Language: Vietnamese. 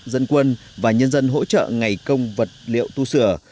dân quân và nhân dân hỗ trợ ngày công vật liệu tu sửa